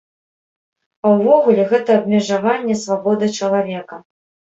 А ўвогуле, гэта абмежаванне свабоды чалавека.